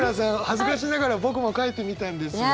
恥ずかしながら僕も書いてみたんですが。